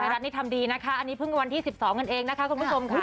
รัฐนี่ทำดีนะคะอันนี้เพิ่งวันที่๑๒กันเองนะคะคุณผู้ชมค่ะ